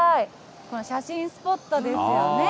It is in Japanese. この写真スポットですよね。